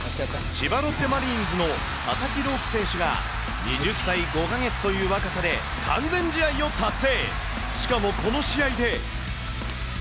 千葉ロッテマリーンズの佐々木朗希選手が、２０歳５か月という若さで完全試合を達成。